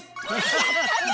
やったぜ！